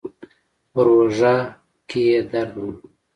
پر اوږه کې يې درد و.